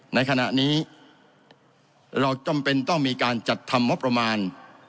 ในขณะนี้เราจำเป็นต้องมีการจัดทำงบประมาณ